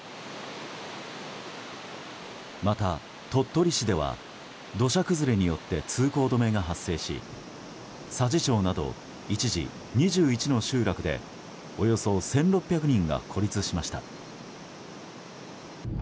また、鳥取市では土砂崩れによって通行止めが発生し佐治町など一時２１の集落でおよそ１６００人が孤立しました。